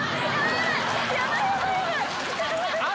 やばい。